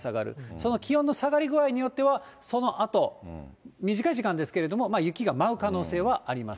その気温の下がり具合によっては、そのあと、短い時間ですけれども、雪が舞う可能性はあります。